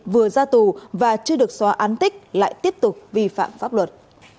vừa ra tù và chưa được xóa án tích lại tiếp tục vi phạm pháp luật